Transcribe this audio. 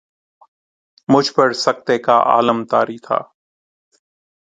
مجھ پر سکتہ کا عالم طاری تھا